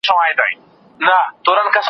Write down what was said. لرګي ګرم او ژر سوځي.